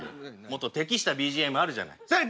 もっと適したＢＧＭあるじゃない。